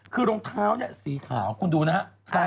คือรองเท้าเนี่ยสีขาวคุณดูนะฮะ